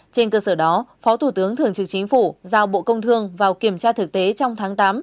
trên cơ sở đó phó thủ tướng thường trực chính phủ giao bộ công thương vào kiểm tra thực tế trong tháng tám